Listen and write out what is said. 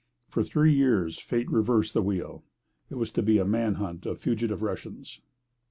For three years fate reversed the wheel. It was to be a man hunt of fugitive Russians.